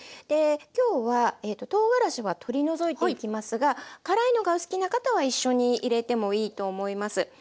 今日はとうがらしは取り除いていきますが辛いのがお好きな方は一緒に入れてもいいと思います。